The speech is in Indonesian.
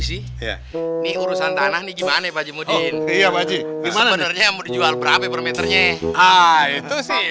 sih ya nih urusan tanah nih gimana pak jumudin iya pak jumudin jual berapa per meternya itu sih